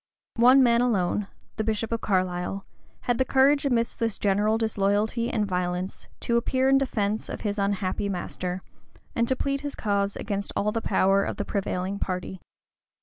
One man alone, the bishop of Carlisle, had the courage, amidst this general disloyalty and violence, to appear in defence of his unhappy master, and to plead his cause against all the power of the prevailing party.